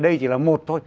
đây chỉ là một thôi